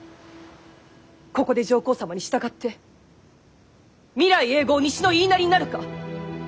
ここで上皇様に従って未来永劫西の言いなりになるか。